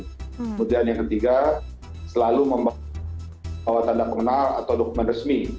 kemudian yang ketiga selalu membawa tanda pengenal atau dokumen resmi